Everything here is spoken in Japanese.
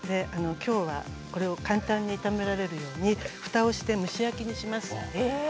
きょうはこれを簡単に炒められるようにふたをして蒸し焼きにします。